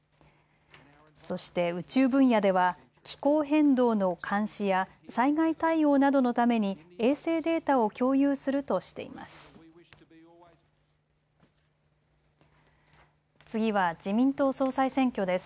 そして宇宙分野では気候変動の監視や災害対応などのために衛星データを共有するとしています。